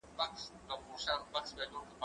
زه بايد سبزیحات وچوم؟!